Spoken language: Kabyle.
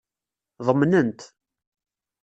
Ḍemnen-t.